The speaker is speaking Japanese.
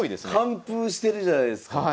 完封してるじゃないですか。